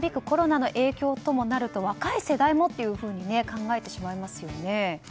コロナの影響ともなると若い世代もというふうに考えてしまいますよね。